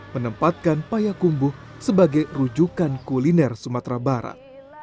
menempatkan payakumbuh sebagai rujukan kuliner sumatera barat